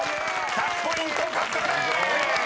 ［１００ポイント獲得です！］